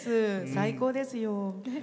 最高です。